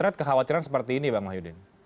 ada kekhawatiran seperti ini bang mahyudin